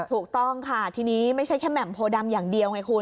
ถูกต้องค่ะทีนี้ไม่ใช่แค่แหม่มโพดำอย่างเดียวไงคุณ